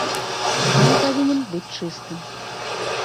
Ён павінен быць чыстым.